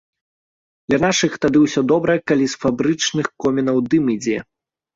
Для нашых тады ўсё добра, калі з фабрычных комінаў дым ідзе.